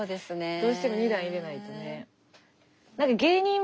どうしても２段入れないとね。